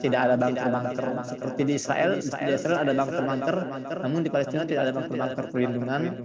tidak ada bangker bangker seperti di israel di israel ada bangker bangker namun di perwetusan gaza tidak ada bangker bangker perlindungan